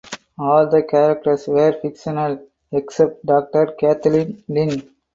All the characters were fictional except Dr Kathleen Lynn.